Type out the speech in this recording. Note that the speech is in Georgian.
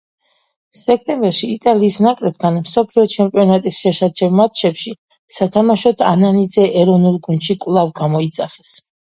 სექტემბერში, იტალიის ნაკრებთან, მსოფლიო ჩემპიონატის შესარჩევ მატჩებში სათამაშოდ ანანიძე ეროვნულ გუნდში კვლავ გამოიძახეს.